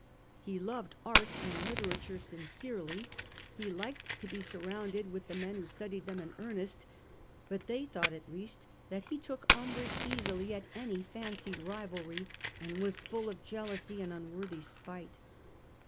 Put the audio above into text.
He loved art and literature sincerely, he liked to be surrounded with the men who studied them in earnest, but they thought at least that he took umbrage easily at any fancied rivalry, and was full of jealousy and unworthy spite.